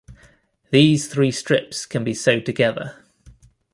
These three strips can be sewed together.